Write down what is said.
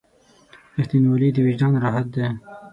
• رښتینولی د وجدان راحت دی.